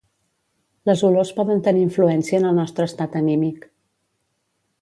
Les olors poden tenir influència en el nostre estat anímic